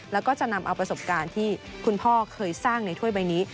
แล้วก็จะนำเอาประสบการณ์ที่คุณพ่อเคยสร้างในถ้วยใบนี้